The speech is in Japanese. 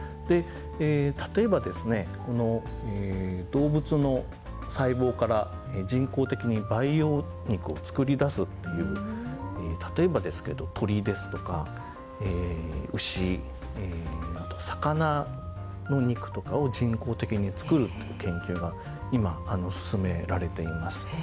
動物の細胞から人工的に培養肉を作り出すという例えばですけど鶏ですとか牛魚の肉とかを人工的に作るという研究が今進められています。